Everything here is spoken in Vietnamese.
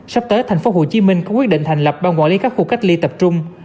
sắp tới tp hcm có quyết định thành lập ban quản lý các khu cách ly tập trung